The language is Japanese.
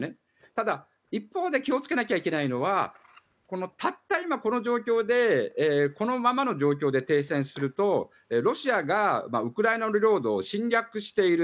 ただ、一方で気をつけなきゃいけないのはたった今この状況でこのままの状況で停戦するとロシアがウクライナの領土を侵略している。